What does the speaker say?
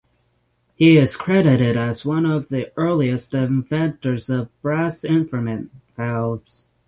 He is credited as one of the earliest inventors of brass instrument valves.